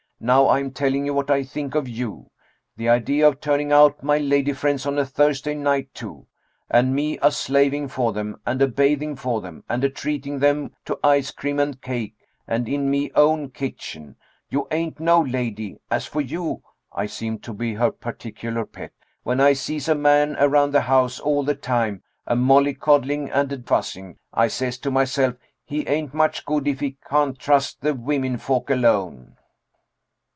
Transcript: Now I'm telling you what I think of you. The idea of turning out my lady friends, on a Thursday night, too! And me a slaving for them, and a bathing for them, and a treating them to ice cream and cake, and in me own kitchen. You ain't no lady. As for you" I seemed to be her particular pet "when I sees a man around the house all the time, a molly coddling and a fussing, I says to myself, he ain't much good if he can't trust the women folk alone."